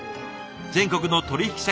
全国の取引先